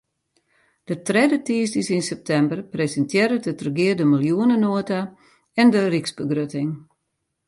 De tredde tiisdeis yn septimber presintearret it regear de miljoenenota en de ryksbegrutting.